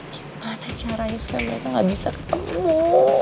gimana caranya supaya mereka gak bisa ketemu